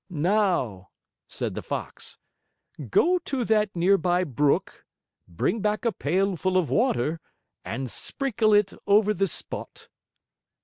"Now," said the Fox, "go to that near by brook, bring back a pail full of water, and sprinkle it over the spot."